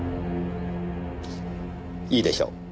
いいでしょう。